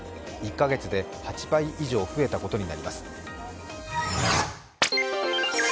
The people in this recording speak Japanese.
１カ月で８倍以上増えたことになります。